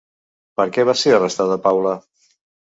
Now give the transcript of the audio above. Per què va ser arrestada Paula?